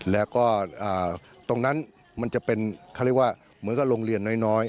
แล้วก็ตรงนั้นมันจะเป็นเขาเรียกว่าเหมือนกับโรงเรียนน้อย